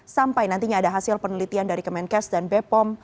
sampai nantinya ada hasil penelitian dari kemenkes dan bepom